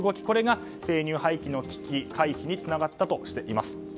これが生乳廃棄の危機回避につながったとしています。